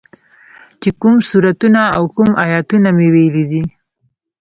چې کوم سورتونه او کوم ايتونه مې ويلي دي.